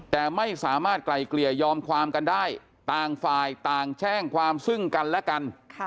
แต่ไม่สามารถไกลเกลี่ยยอมความกันได้ต่างฝ่ายต่างแช่งความซึ่งกันและกัน